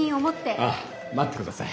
あっ待ってください。